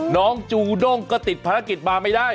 จูด้งก็ติดภารกิจมาไม่ได้